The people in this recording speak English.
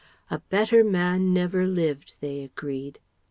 "A better man never lived" they agreed.